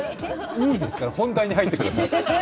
いいですから、本題に入ってください。